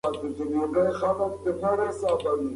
لوستې مور د ماشوم خبرې اورېدلي کوي.